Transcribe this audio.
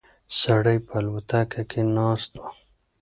سړی په الوتکه کې ناست و.